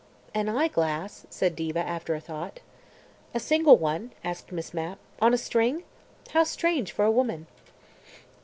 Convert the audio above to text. "An eyeglass," said Diva after thought. "A single one?" asked Miss Mapp. "On a string? How strange for a woman."